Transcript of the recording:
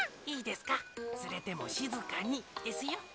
いいですかつれてもしずかにですよ。